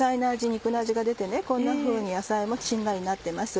肉の味が出てこんなふうに野菜もしんなりなってます。